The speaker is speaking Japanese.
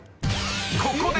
［ここで］